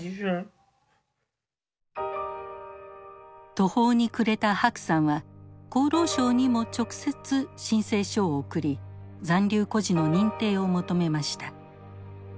途方に暮れた白さんは厚労省にも直接申請書を送り残留孤児の認定を求めました。